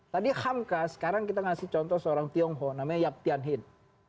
tadi hamka sekarang kita kasih contoh seorang tiongho namanya yap tian hin